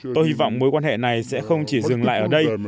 tôi hy vọng mối quan hệ này sẽ không chỉ dừng lại ở đây